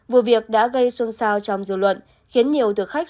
vụ việc đã gây xuân sao trong dư luận khiến nhiều thực khách